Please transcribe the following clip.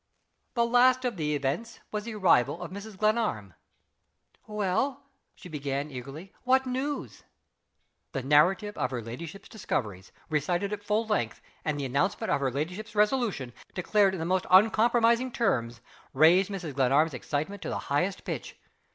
The last of the events was the arrival of Mrs. Glenarm. "Well?" she began, eagerly, "what news?" The narrative of her ladyship's discoveries recited at full length; and the announcement of her ladyship's resolution declared in the most uncompromising terms raised Mrs. Glenarm's excitement to the highest pitch.